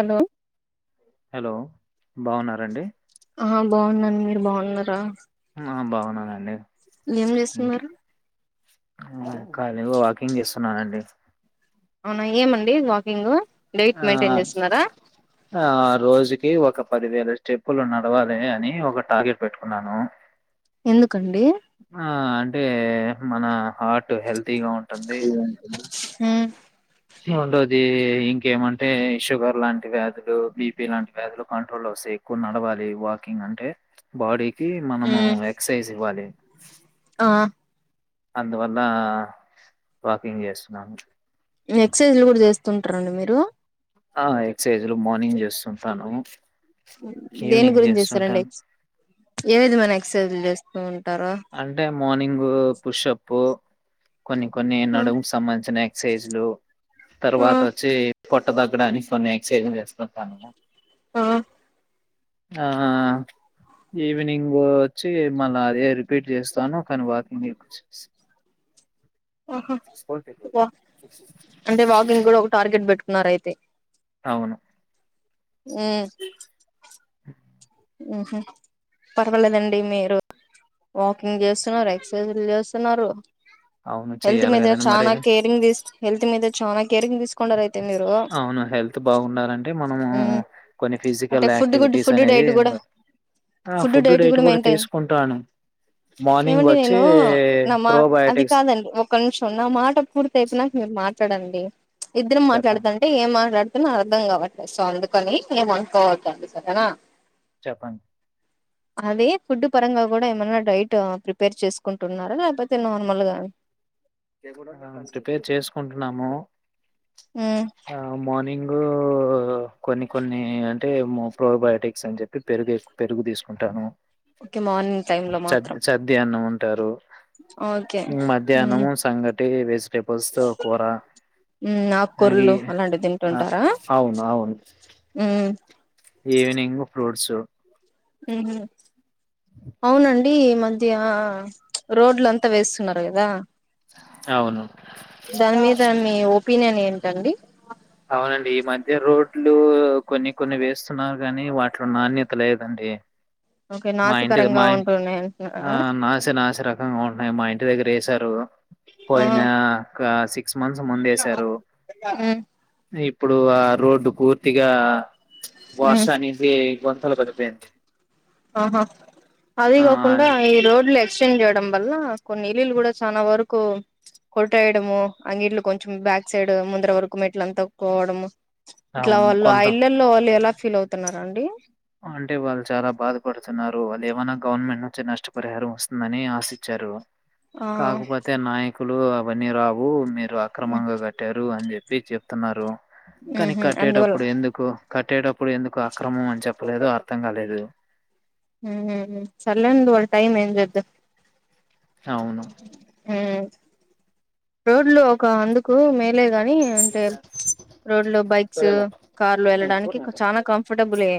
Hello hello బాగున్నారండి ఆ బాగున్నాను మీరు బాగున్నారా ఆ బావున్నానండి ఏం ఇంకి చేస్తున్నారు ఆ కాద్ వ కింగ్ చేస్తున్నానాండి అవునా ఏమండి వాకింగు ఆ డైట్ మెయింటైన్ చేస్తున్నారా ఆ రోజుకి ఒక పదివేల స్టెప్పులు నడవాలి అని ఒక టార్గెట్ పెట్టుకున్నాను ఎందుకండి ఆ అంటే మన హార్ట్ హెల్తీగా ఉంటుంది మ్మ్ రెండోదీ ఇంకేమంటే షుగర్ లాంటి వ్యాధులు బిపీ లాంటి వ్యాధులు కంట్రోలో ఓస్ ఎక్కు నడవాలి వాకింగ్ అంటే బాడీ కి మనము ఎక్సర్సైజ్ ఇవ్వాలి ఆ అందువల్లా వాకింగ్ చేస్తున్నాను ఎక్సర్సైజ్లు గూడా చేస్తుంట్రండి మీరు ఆ ఎక్సర్సైజ్లు మార్నింగ్ చేస్తుంటాను దేని గురించి చేస్తారండి ఏవిధమైన ఎక్సర్సైజ్లు చేస్తూ ఉం అంటే మార్నింగూ పుషప్పు కొన్ని కొన్ని నడుముకు సంబంధించిన ఎక్సర్సైజ్లు ఆ తర్వాత ఓచ్చి పొట్టతగ్గడాని కోన్ని ఎక్సైజ్ లు చేస్తుకుంటాము ఆ ఆ ఈవినింగోచ్చి మళ్ల అదే రి రిట్ చేస్తాను కానీ వాకింగ్ [unintelligible] ఆహా వా అంటే వాకింగ్ గూడా ఒక టార్గెట్ బేట్టుకున్నారైతే అవును మ్ మ్మ్ హు పర్వాలేదండి మీరు వాక్ కీంగ్ జేస్తున్నారు ఎక్సర్సైజ్లు జేస్తున్నారు అవును. హెల్త్ చెయ్యాలి మీద గదండీ! మరి చనా కేరింగ్ తిస్ హెల్త్ మీద చానా కేరింగ్ తీసుకుంటారు అయితే మీరు అవును హెల్త్ బాగుండాలంటే మనము మ్మ్ కొన్ని అంటే ఫిజికల్ ఫుడ్ ఆక్టివిట్ గుడ్ టిస్ ఫుడ్ అనేవి డైట్ కూడా ఆ ఫుడ్ డైట్ గూడా తీస్కుంటాను ఏవండి నేను నా మాట్ అది ప్రోబయోటిక్స్ కాదండి ఒక్క నిమీషం నా మాట పూర్తయిపో నాక మీరు మాట్ డండి ఇద్దరం చెప్పండి మాట్లాడుతంటే ఏం మాట్లా ద్ అర్ధం కావట్లేదు సో అందుకని ఏమనుకోవదండి సరేనా చెప్పండి అధీ ఫుడ్ పరంగా గూడా ఏమైన్నా డైట్ ప్రిపేర్ చేస్కుంటున్నారా లేపోతే నార్మల్ గా ఆ ప్రిపేర్ చేస్కుంటున్నాము మ్మ్ ఆ మార్నింగ్ గు కొన్ని కొన్ని టే మొప్రోబయోటిక్స్ అని జేప్పి పెరుగు ఎ పెరుగు తీస్కుంటాను కి మార్నింగ్ టైమ్ లో మాత్రం ఓకే మ్మ్ మధ్యానము సంగటి వెస్టెబుల్స్ తో కూర ఉమ్ అంగి ఆకుకూరలు అలాంటివి ఆ తింటుంటారా అవును అవును ఉమ్ సు ఉ హు అవునండి ఈ మధ్య రోడ్లంతా వేస్తున్నారు గదా అవును దాని మీద మీ ఒపీనియన్ ఏంటండి అవునండి ఈ మధ్య రోడ్లు కొన్ని కొన్ని వేస్తున్నారు గాని వాటిలో నాణ్యత లేదండి ఏ ఓకే మాఇంటి నాసికరంగా మై ఉంటున్నాయి ఆ అంటున్నారా నాసే నాసే రకంగా ఉన్నాయి మా ఇంటి దగ్గర ఏసారు ఆ పోయినా ఒక సిక్స్ మంత్స్ ముందెసారు ఉమ్ ఇ ఇప్పుడు ఆ రోడ్డు పూర్తిగా ఉమ్ వర్షానికి గుంతలు పడిపోయింది ఆహా అది ఆ గాకుండా ఈ రోడ్లు ఎక్చేంజేడం వల్ల కొన్ని ఇల్లులు గూడా చానా వరకు కొట్టేయడము అంగిట్లు కొంచెం బ్యాక్ సైడ్ ముందర వరకు మెట్లంతా క్కోవడము ఇట్లా అవును వాళ్ళ ఆ కొంత ఇళ్లల్లో వాళ్ళు ఎలా ఫీల్ అవుతున్నారండి అంటే వాళ్ళు చాలా బాధపడుతున్నారు లేవన్నా గవర్నమెంట్ నుంచి నష్టపరిహారం ఓస్తుందని ఆసిచారు ఆ కాకపోతే నాయకులు అవన్నీ రావు మీరు అక్రమంగా కట్టారు అని జేప్ పి చెప్తున్నారు కానీ ఉహు అందువల్ల కట్టేటప్పుడు ఎందుకు కట్టేటప్పుడు ఎందుకు అక్రమం అని చెప్ ప్పలేదో అర్థం కాలేదు ఉహు సర్లేండి వాళ్ళ టైం ఏం చేద్దాం అవును మ్మ్ రోడ్లో ఒక అందుకు మేలే గాని అంటే రోడ్లో బైక్స్ సరేనా కార్లు ఏళ్ళడానికి చాలా కంఫర్టబులే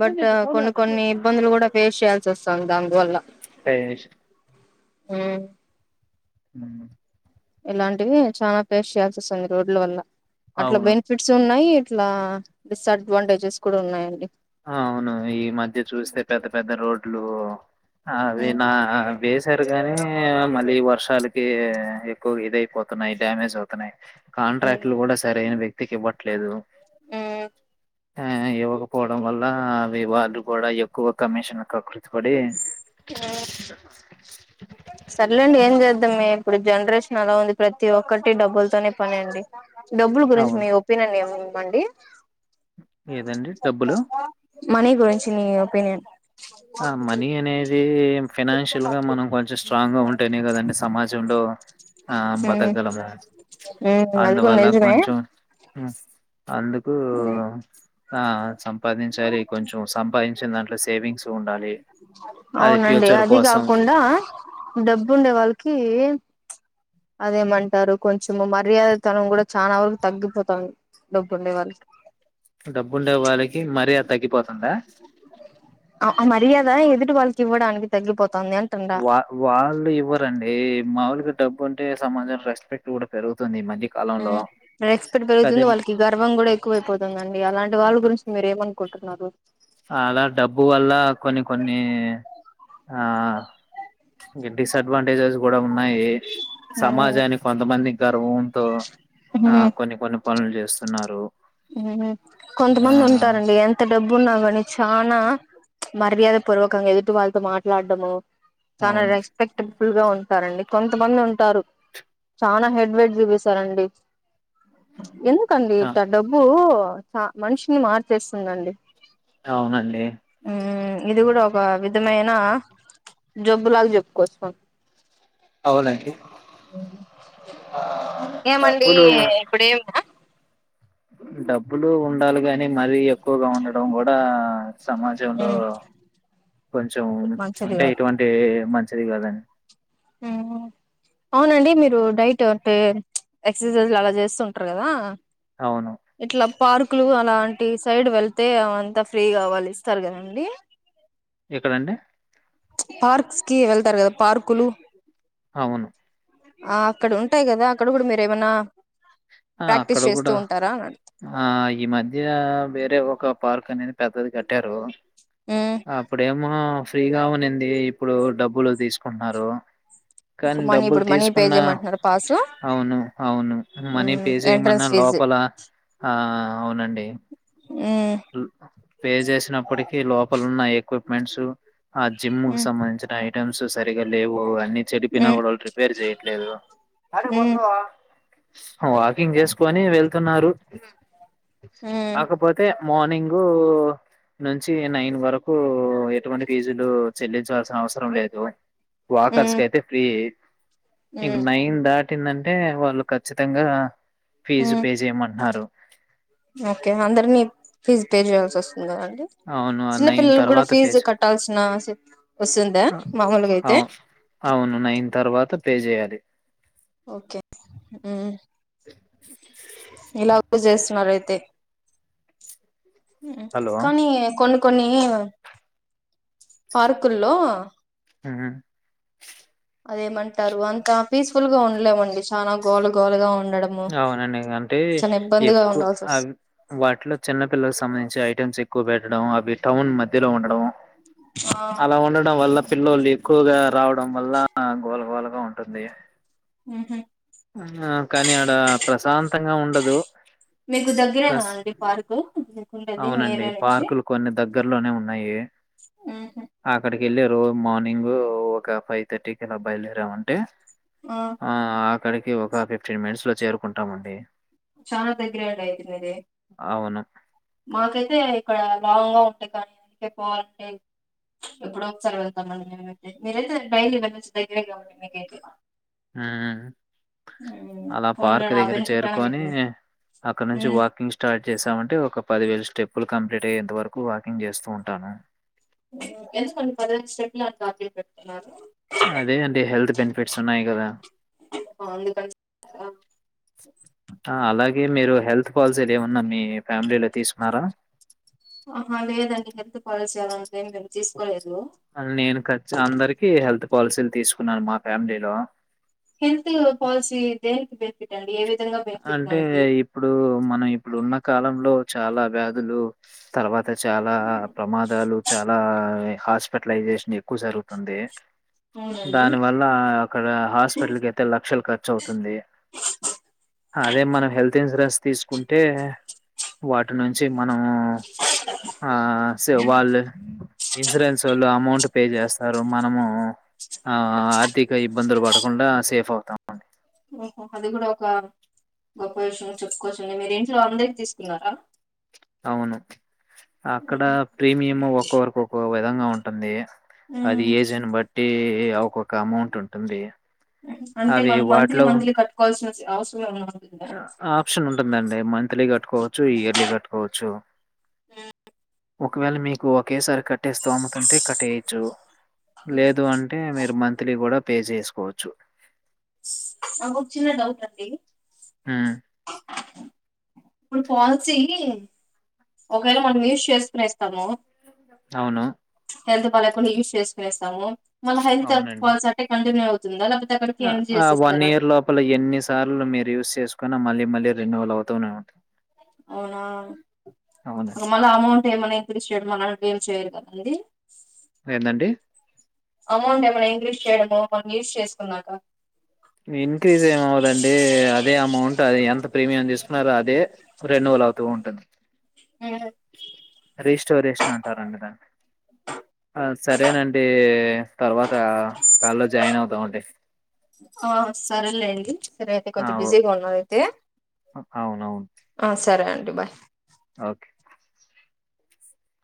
బట్ అ కొన్ని కొన్ని ఇబ్బందులు గూడా ఫేస్ చేయాల్సి ఓస్తాంది దాంది వల్ల పేష్ ఉ మ్మ్ ఏలాంటివి చాలా పేస్ట్ చేయాల్సి ఓస్తంది ఈ రోడ్ల వల్ల అట్లా అవును బెన్ఫిట్స్ ఉన్నాయి ఇట్లా డిస్ అడ్వాంటేజెస్ కూడా ఉన్నాయండి ఆ అవును ఈ మధ్య చూస్తే పెద్ద పెద్ద రోడ్లు అవి నా వేసారు గాని మ లీ వర్షాలకి ఎక్కువ ఇదయిపోతున్నాయి డామేజ్ అవుతున్నాయి ఉ కాంట్రాక్ట్లు గూడా సరైన వ్యక్తికి ఇవ్వట్లేదు ఉ ఆ ఇవక పోవడం వల్ల అవి వాళ్ళు కూడా ఎక్కువ కమిషన్ క్రకృతీపడి మ్మ్ సర్లేండి ఏం జేద్ దం ఇప్పుడు జెన్నర్రెషన్ అలా ఉంది ప్రతి ఒక్కటి డబ్బుల్ తోనే పని అండి డబ్బులు గురించి అవును మీ ఒపీనియన్ ఏముందండి ఏదండి డబ్బులు మనీ గురించి నీ ఒపీనియన్ ఆ మనీ అనేది ఈ ఫీనాన్షియల్ గా మనం కొంచెం స్ట్రాంగా ఉంటేనే గదండి సమాజంలో ఆ మ్మ్ బతగాలము మ్మ్ అది కూడా అందువల్ల నిజమే కొంచం మ్మ్ అందు ఉ ఆ సంపాదించాలి కొంచెం సంపాదించిన దాంట్లో సేవింగ్స్ ఉండాలి అది అవునండి ఫ్యూచర్ అది కోసం. గాకుండా డబ్బుండే వాల్కీ అదేమంటారు కొంచెం మర్యాదతనం గూడా చానా వరకు తగ్గిపోతాం డబ్బుండే వాళ్ళీకీ డబ్బుండే వాళ్ళకి మర్యధ తగ్గిపోతుందా ఆ మర్యాద ఎదుటి వాళ్ళకి ఇవ్వడానికి తగ్గిపో వా వాళ్ళు ఇవ్వరండి మావులుగా డబ్బుంటే సమాజం రెస్పెక్ట్ గూడా పెరుగుంది ఈ మ మ్ రక్స్పెక్ట్ పెర్గుతుంది వాళ్ళకి గర్వం గూడా ఎక్కువైపోతుందండి అలాంటి వాళ్ళ గురించి మీరేంమనుకుంటున్ కన్నక్ అలా డబ్బు వల్ల కొన్ని కొన్నీ ఆ ఇ డిసడ్వాంటేజెస్ కూడా ఉన్నాయి సమాజానికి కొంతమంది ప్రభూంతో ఆ కొన్ని కొన్ని పనులు చేస్తున్నారు మ్ ఆ కొంతమంది ఉంటారండి ఎంత డబ్బున్నా గాని చానా మర్యాద పూర్వకంగా ఎదుటి వాళ్ళతో మాట్లాడము చనా అవును రెస్పెక్ట్ఫుల్ గా ఉం సరేనండి కొంతమంది ఉంటారు చనా హెడ్ వెెట్ చూపిస్తరండి ఎందుకండి ఆ ఇట్ట డబ్బు చ మనిషిని మార్చేస్తుందండి అవునండి మ్ ఇది గూడ ఒక విధమైన జబ్బులాగా చెప్పుకోవచ్చు మనం అవునండి ఏమండి డబ్బులు ఇపుడేనా డబ్బులు ఉండాలి గాని మరి ఎక్ క్కువగా ఉండడం గూడ సమాజంలో కొంచెం మంచిది అంటే కాదు ఇటువంటి మంచిది కాదం మ్ అవునండి మీరు డైట్ అంటే ఎక్సర్సైజ్లు అలా చేసుంటారు గదా అవును పార్కులు అలాంటి సైడ్ వెళ్తే అవంత ఫ్రీ గా వాల్ ఇస్తారు కదండి ఎక్కడండి పార్క్స్ కి వెళ్తారు కదా పార్కులు అవును ఆ అక్కడ ఉంటాయి కదా అక్కడ కూడా మీరేమన్నా ఆ అక్కడ కూడా ఆ ఈ మధ్య వేరే ఒక పార్క్ అనేది పెద్దది కట్టారు ఉమ్ అప్పుడేమొ ఫ్రీగా ఉనింది ఇప్పుడు డబ్బులు తీసుకుంట్న్నారు కానీ మనీ డబ్బులు ఇప్పుడు మనీ పే తీసుకున్నా చేయమంటున్నారు పాసు అవును అవును మనీ ఫిజీమన్నా ఎంట్రన్స్ ఫీజు లోపల ఆ అవునండి ఉమ్ పే చేసినప్పటికి లోపలున్న ఎక్విప్మెంట్స్ ఆ జిమ్ కు ఉమ్ సంబంధించిన ఐటమ్స్ సరిగా లేవు అన్నీ చెడిపిన ఉమ్ కూడా వాళ్ళు రిపేర్ చెయట్లేదు ఏడీక్ ఉమ్ పోతున్నావు వాకింగ్ చేసుకోని వెళ్తున్నారు ఉమ్ కాకపోతే మార్నింగు నుంచి నైన్ వరకు ఎటువంటి ఫీజులు చెల్లించాల్సిన అవసరం లేదు వాకర్స్ ఉమ్ అయితే ఫ్రీ ఇప్పుడు ఉమ్ నైన్ దాటిందంటే వాళ్ళు ఖచ్చితంగా ఫీజు ఉమ్ పే చేయమంటున్నారు ఓకే అందరినీ ఫీజ్ పే చేయాల్సి ఒస్ స్తుంది కదండీ అవును చిన్న నైన్ పిల్లల కూడా తర్వాత పే ఫీజు చే- కట్టాల్సిన ఓసుందా ఆ, మామూలుగైతే అవు అవును నైన్ తర్వాత పే చేయాలి ఒకే మ్ ఇలా చేస్తున్నారు అయితే మ్ హలో కానీ కొన్ని కొన్ని పార్కుల్లో మ్ అదేమంటారు అంత పీస్ఫుల్ గా ఉండలేమండి చాలా గోల గోలగా ఉన్ అవునండి అంటే ఎక్కువ ఉండాల్సి అవి వస్తుంది వాటిలో చిన్నపిల్లల్ సంబంధించి ఐటెమ్స్ ఎక్ క్కువ పెట్టడం అవి టౌన్ మధ్యలో ఉండడం ఆ అలా ఉండడం వల్ల పిల్ల్లోలు ఎక్కువగా రావడం వల్ల గోల గోలగా ఉంటుంది ఉహు ఆ కానీ అడా ప్రసంతంగా ఉండదు మీకు దగ్గరేనా ప్లస్ అండి పార్కు మీకుండేది మీ అవునండి ఏరియా నుంచి పార్కులు కొన్ని దగ్గర్లోనే ఉన్నాయి ఉహు అక్కడిక్ ఎల్లే రోజు మార్నింగు ఒక ఫై థర్టీకలా బయల్దేరమంటే ఆ అక్కడికి ఒక ఫిఫ్టీన్ మినిట్స్ లో చేరుకుంటామండి చానా దగ్రేలే అయితే మిదీ అవును. మాకైతే ఇక్కడ లాంగ్ గా ఉంటాయి కానీ పోవాలంటే ఎప్పుడో ఒకసారి వెళ్తామండి మేమైతే మీరైతే డైలీ వెళ్లొచ్చు దగ్గరే కాబట్టి మీకైతే ఉ ఉమ్, అలా పోన్లే పార్క్ ఆ దగ్గర బెనిఫిట్ అయినా చేరుకొని మీకు అక్కడ్నుంచి ఉమ్ వాకింగ్ స్టార్ట్ జేసామంటే ఒక పదివేల స్టెప్పులు కంప్లీట్ అయ్యేంత వరకు వాకింగ్ జేస్తూ ఉంటాను ఎందుకండి పదిహేను స్టెప్లే టార్గెట్ పెట్టున్నారు అదే అండి హెల్త్ బెనిఫిట్స్ ఉన్నాయి గదా ఆ, అందుకని ఆ అలాగే మీరు హెల్త్ పాలసీలు ఏమన్నా మీ ఫ్యామిలీలో తీస్కున్నారా ఆహ లేదండి హెల్త్ పాలసీ అదంతేం తీసుకోలేదు నేను కచ్ అందరికి హెల్త్ పాల్సీలు తీసుకున్నాను మా ఫ్యామిలీలో హెల్త్ పాల్సి దేనికి బెన్ఫిట్ అండి ఏవి అంటే ఇప్పుడు మన ఇప్పుడు ఉన్న కాలంలో చాలా వ్యాధులు తర్వాత చాలా ప్రమాదాలు చాలా హాస్పిటలైజేషన్ ఎక్కువ జరుగుతుంది అవునండి దాని వల్ల అక్కడ హాస్పిటల్కి అయితే లక్షలు ఖర్చు అవుతుంది అదే మన హెల్త్ ఇన్సూరెన్స్ తీస్కుంటే వాటి నుంచి మనము ఆ సే వాళ్ళు ఇన్సూరెన్స్ ఒళ్ళు అమౌంట్ పే జేస్తారు మనము ఆ ఆర్థిక ఇబ్బందులు బడకుండా సేఫ్ అవుతాము ఓహో అది కూడా ఒక గొప్ప విషయం చెప్పుకోవచ్చులే మీరు ఇంట్లో అందర్కి తీస్కున్నారా అవును అక్కడ ప్రీమియం ఒక్కొర్కు ఒకో విధంగా ఉంటుంది అది ఉమ్ ఏజును బట్టి ఒకొక్క అమౌంట్ ఉంటుంది అంటే అవి మనం మంత్లీ వాటిలో మంత్లీ కట్టుకోవాల్సిన సే అవసరమేమన్నా ఆప్షన్ ఉంటుందండి మంత్లీ కట్టుకోవచ్చు ఇయర్లీ కట్టుకోవచ్చు ఉ ఒకవేళ మీకు ఒకేసారి కట్ కట్టే స్తోమతంటే కట్టేయచ్చు ఉమ్. లేదు అంటే మీరు మంత్లీ కూడా పే జేస్కోవచ్చు నాకోక చిన్న డౌట్ అండి ఉమ్ ఇప్డు పాల్సీ ఒకవేళ మనం యూజ్ చేసుకొనేస్తాము అవును హెల్త్ బాలేకుండ యూజ్ చేస్కునేస్తాము మళ్ళ హెల్త్ అవునండి. ఫాల్స్ అంటే కంటిన్యూ అవుతుందా లేపోతే ఆ ఆ వన్ ఇయర్ లోపల ఎన్ని సార్లు మీరు యూజ్ చేసుకున్న మళ్ళీ మళ్ళీ రినువల్ అవుతూనే ఉంటది అవునా మళ్ళ అమౌంట్ ఏమన ఇంక్రిస్ చేయడం అలాంటివి ఏం చేయరు కదండి ఏందండి అమౌంట్ ఏమైనా ఇంక్రీజ్ చేయడము మనం యూజ్ చేసుకున్నాక ఇంక్రీజ్ ఏమవ్వదండి అదే అమౌంట్ అది ఎంత ప్రీమియం తీసుకున్నారో అదే రెండు వ లవుతూ ఉంటుంది ఉమ్. రిస్టోర్ చేస్నా అంటారండి దాన్ని. ఆహ్ సరేనండి తర్వాత కాల్లో జాయిన్ అవుతామండి. ఆహ్ సరేలేండి సరే అయితే కొంచెం బిజీగా ఉన్నద్. ఆహ్ అవునవును. ఆ సరే అండి బాయ్ ఓకే